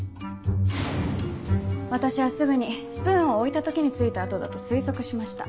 私はすぐにスプーンを置いた時についた跡だと推測しました。